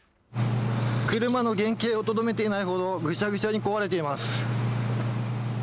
車の原形をとどめていないほどぐちゃぐちゃに壊れています。